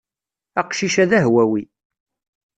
Aqcic-a d ahwawi.